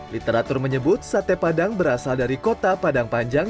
literatur menyebut sate padang berasal dari kota padang panjang